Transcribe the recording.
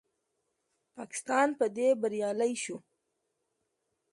پاکستان په دې بریالی شو